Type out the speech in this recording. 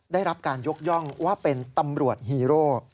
ได้รับการยกย่องว่าเป็นตำรวจฮีโร่